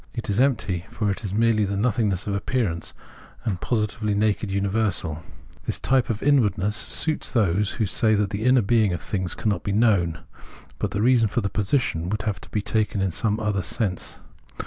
It is empty, for it is merely the nothing ness of appearance, and positively the naked universal. This type of inwardness suits those who say that the inner being of things cannot be known ;* but the reason for the position would have to be taken in some other sense.